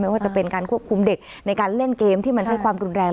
ว่าจะเป็นการควบคุมเด็กในการเล่นเกมที่มันใช้ความรุนแรง